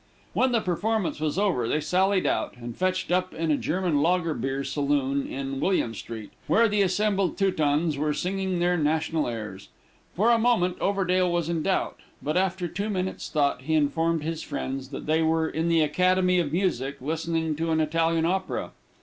When the performance was over they sallied out, and fetched up in a German lager bier saloon in William street, where the assembled Teutons were singing their national airs. For a moment Overdale was in doubt, but, after two minutes' thought, he informed his friends that they were in the Academy of Music, listening to an Italian Opera.